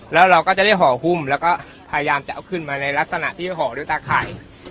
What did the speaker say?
แล้วเราก็จะได้ห่อหุ้มแล้วก็พยายามจะเอาขึ้นมาในลักษณะที่ห่อด้วยตาไข่